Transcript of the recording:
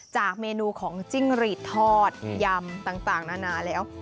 จากเมนูของจิ้งหรีดทอดยำต่างนานาแล้ว